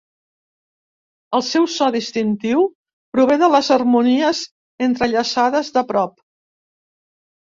El seu so distintiu prové de les harmonies entrellaçades de prop.